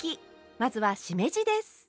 まずはしめじです。